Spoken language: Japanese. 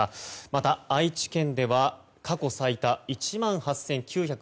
また、愛知県では過去最多１万８９８５人。